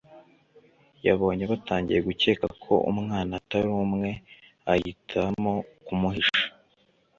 Yabonye batangiye gukeka ko umwana Atari uwe ahitamo kumuhisha